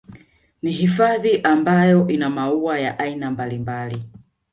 Ni hifadhi ambayo ina maua ya aina mbalimbali